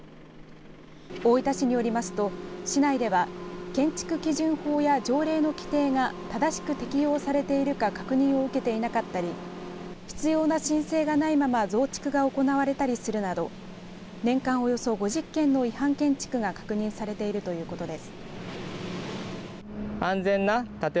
大分市によりますと市内では建築基準法や条例の規定が正しく適用されているか確認を受けていなかったり必要な申請がないまま増築が行われたりするなど年間およそ５０件の違反建築が確認されているということです。